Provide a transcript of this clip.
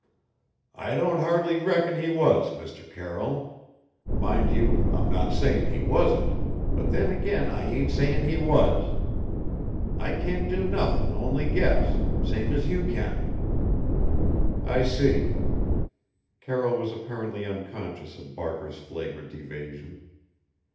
"I don't hardly reckon he was, Mr. Carroll. Mind you, I'm not sayin' he wasn't; but then again I ain't sayin' he was. I can't do nothin' only guess same as you can." "I see!" Carroll was apparently unconscious of Barker's flagrant evasion.